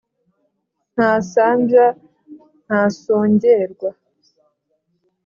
ntasambya ntasongerwa,